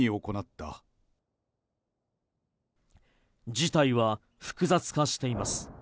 事態は複雑化しています。